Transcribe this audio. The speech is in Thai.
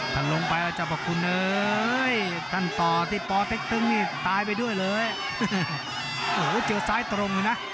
ถันลงไปแล้วจะบรรคุณเอ้ยท่านต่อที่นี่ตายไปด้วยเลยโอ้โหเจอสายตรงน่ะ